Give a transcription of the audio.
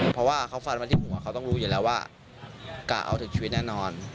เพราะว่าเขาฟันมาที่หัวเขาต้องรู้อยู่แล้วว่ากะเอาถึงชีวิตแน่นอน